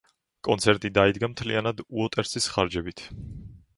კონცერტი დაიდგა მთლიანად უოტერსის ხარჯებით.